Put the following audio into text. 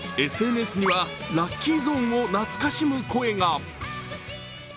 ＳＮＳにはラッキーゾーンを懐かしむ声が。